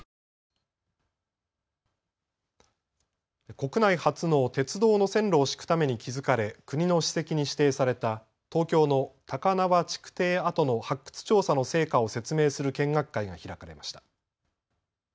国内初の鉄道の線路を敷くために築かれ、国の史跡に指定された、東京の高輪築堤跡の発掘調査の成果を説明する見学会が開かれました。